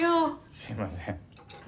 すみません。